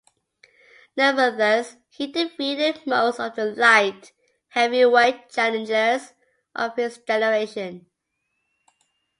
Nevertheless, he defeated most of the light heavyweight challengers of his generation.